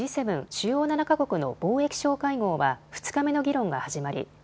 ・主要７か国の貿易相会合は２日目の議論が始まり